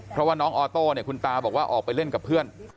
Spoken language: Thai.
เพราะว่าน้องออโต้เนี่ยคุณตาบอกว่าออกไปเล่นกับเพื่อน